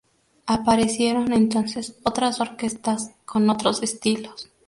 Aparecieron entonces otras orquestas con otros estilos.